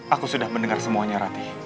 aku sudah mendengar semuanya rati